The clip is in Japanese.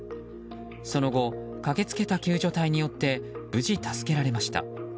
その後駆け付けた救助隊によって無事、助けられました。